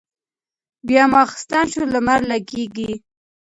بيا ماخستن شو لمر لګېږي